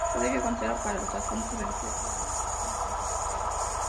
Todavía conserva para los asuntos religiosos la denominación de "Santa Sede".